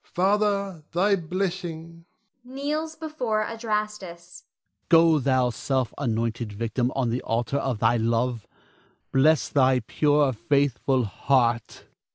Father, thy blessing [kneels before Adrastus]. Adrastus. Go, thou self anointed victim on the altar of thy love. Bless thy pure, faithful heart!